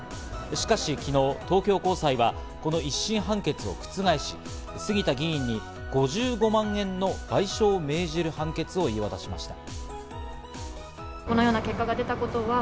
しかし昨日、東京高裁は１審判決を覆し、杉田議員に５５万円の賠償を命じる判決を言い渡しました。